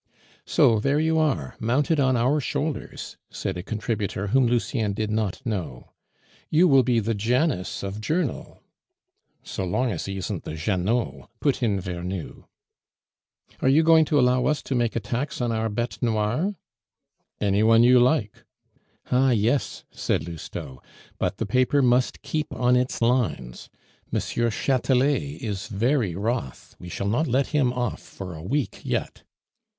"So there you are, mounted on our shoulders," said a contributor whom Lucien did not know. "You will be the Janus of Journal " "So long as he isn't the Janot," put in Vernou. "Are you going to allow us to make attacks on our betes noires?" "Any one you like." "Ah, yes!" said Lousteau; "but the paper must keep on its lines. M. Chatelet is very wroth; we shall not let him off for a week yet."